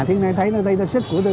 thế này thấy là đây là sức của tôi